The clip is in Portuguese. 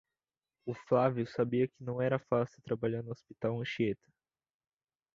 O Flávio sabia que não era fácil trabalhar no Hospital Anchieta.